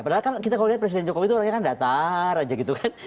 padahal kan kita kalau lihat presiden jokowi itu orangnya kan datar aja gitu kan